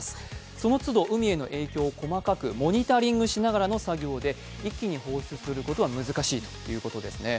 そのつど海への影響を細かくモニタリングしながらの作業で一気に放出することは難しいということですね